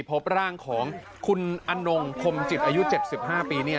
พบร่างของคุณอนงคมจิตอายุ๗๕ปีเนี่ย